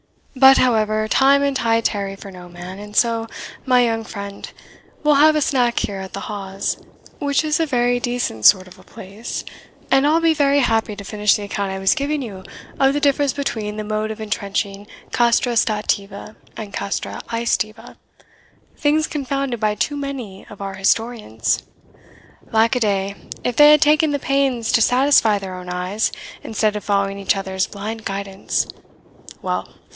But, however, time and tide tarry for no man, and so, my young friend, we'll have a snack here at the Hawes, which is a very decent sort of a place, and I'll be very happy to finish the account I was giving you of the difference between the mode of entrenching castra stativa and castra aestiva, things confounded by too many of our historians. Lack a day, if they had ta'en the pains to satisfy their own eyes, instead of following each other's blind guidance! Well!